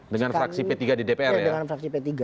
dengan fraksi p tiga di dpr ya